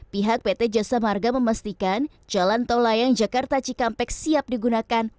pihak pt jasa marga memastikan jalan tol layang jakarta cikampek siap digunakan